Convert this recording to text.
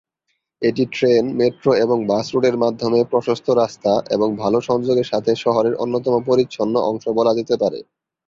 এটি train, metro এবং bus রুটের মাধ্যমে প্রশস্ত রাস্তা এবং ভাল সংযোগের সাথে শহরের অন্যতম পরিচ্ছন্ন অংশ বলা যেতে পারে।